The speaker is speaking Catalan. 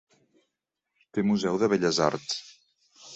Té museu de belles arts.